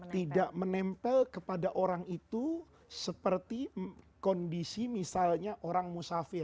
tidak menempel kepada orang itu seperti kondisi misalnya orang musafir